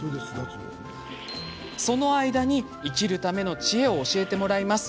その間に、生きるための知恵を教えてもらいます。